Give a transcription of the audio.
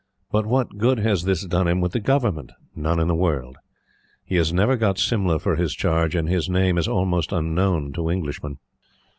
But what good has this done him with the Government? None in the world. He has never got Simla for his charge; and his name is almost unknown to Englishmen.